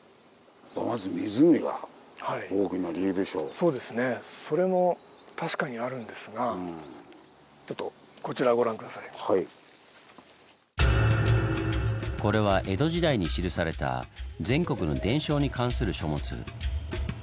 そうですねそれも確かにあるんですがちょっとこれは江戸時代に記された全国の伝承に関する書物。